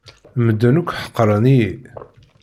Medden akk ḥeqren-iyi.